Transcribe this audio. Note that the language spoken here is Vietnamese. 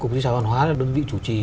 cục di sản văn hóa là đơn vị chủ trì